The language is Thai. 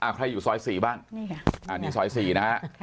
ใครอยู่ซอย๔บ้างนี่ซอย๔นะฮะ